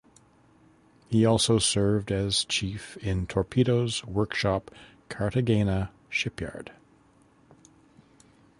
He also served as chief in Torpedoes Workshop Cartagena Shipyard.